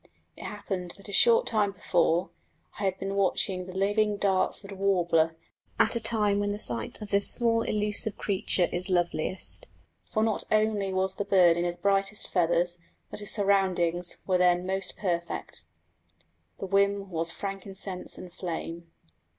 It happened that a short time before, I had been watching the living Dartford warbler, at a time when the sight of this small elusive creature is loveliest, for not only was the bird in his brightest feathers, but his surroundings were then most perfect The whin was frankincense and flame.